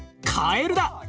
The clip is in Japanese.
かえるだ！